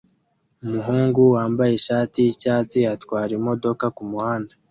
Umuhungu wambaye ishati yicyatsi atwara imodoka kumuhanda